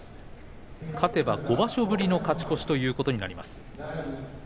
勝てば５場所ぶりの勝ち越しということになります。